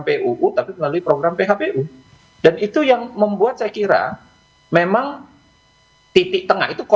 puu tapi melalui program phpu dan itu yang membuat kita merasa tidak bisa mengatakan bahwa kita harus